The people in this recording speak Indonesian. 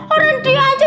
orang dia aja